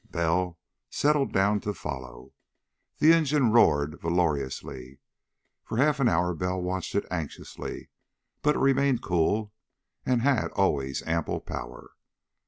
Bell settled down to follow. The engine roared valorously. For half an hour Bell watched it anxiously, but it remained cool and had always ample power.